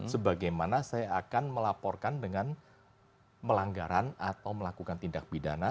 sebagaimana saya akan melaporkan dengan melanggaran atau melakukan tindak pidana